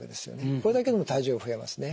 これだけでも体重が増えますね。